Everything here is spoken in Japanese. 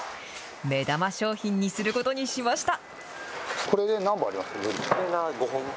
目玉商品にすることにしました。